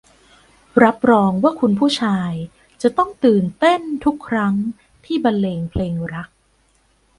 รับรองว่าคุณผู้ชายจะต้องตื่นเต้นทุกครั้งที่บรรเลงเพลงรัก